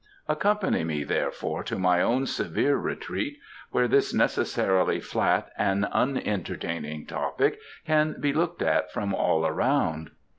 Accompany me, therefore, to my own severe retreat, where this necessarily flat and unentertaining topic can be looked at from all round."